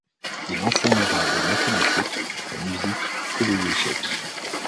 Il y enseignera les mathématiques, la musique et les échecs.